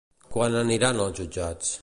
Quan aniran als jutjats?